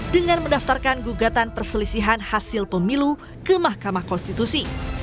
dengan mendaftarkan gugatan perselisihan hasil pemilu ke mahkamah konstitusi